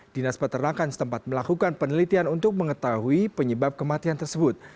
dinas peternakan setempat melakukan penelitian untuk mengetahui penyebab kematian tersebut